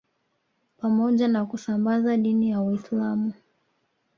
Pamoja na kusambaza dini ya Uislamu